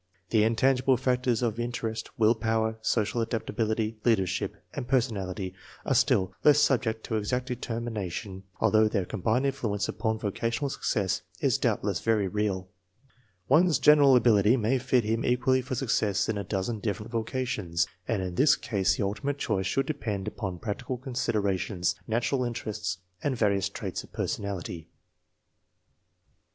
The intangible factors of inter est, will power, social adaptability, leadership, and personality are still less subject to exact determina 270 INTELLIGENCE OF SCHOOL CHILDREN tion, although their combined influence upon voca tional success is doubtless very great. One's general ability may fit him equally for success in a dozen different vocations, and in this case the ultimate choice should depend upon practical considerations, natural interests, and various traits of personality.